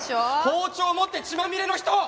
包丁持って血まみれの人！！